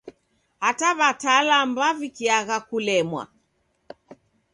Hata w'atalamu w'avikiagha kulemwa.